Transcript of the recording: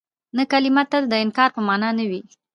نه کلمه تل د انکار په مانا نه وي.